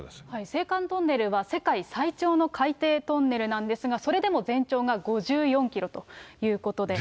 青函トンネルは世界最長の海底トンネルなんですが、それでも全長が５４キロということで。